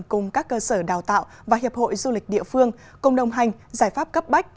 cùng các cơ sở đào tạo và hiệp hội du lịch địa phương cùng đồng hành giải pháp cấp bách